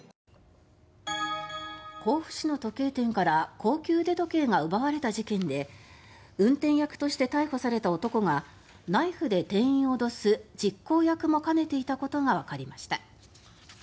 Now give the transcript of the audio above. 甲府市の時計店から高級腕時計が奪われた事件で運転役として逮捕された男がナイフで店員を脅す実行役も兼ねていたことがわかりました。